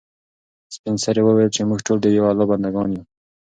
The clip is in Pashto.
سپین سرې وویل چې موږ ټول د یو الله بنده ګان یو.